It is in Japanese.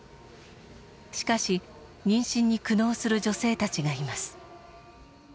しかし妊娠に苦悩する女性たちがいます。